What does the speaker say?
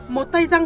một tây giang